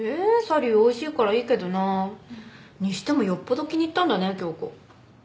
サリューおいしいからいいけどな。にしてもよっぽど気に入ったんだね響子。